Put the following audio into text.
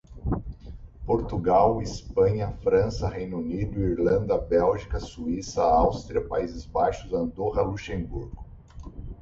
Portugal, Espanha, França, Reino Unido, Irlanda, Bélgica, Suíça, Áustria, Países Baixos, Andorra, Luxemburgo